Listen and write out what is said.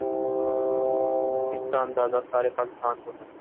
، اس کا اندازہ سارے پاکستان کو ہے۔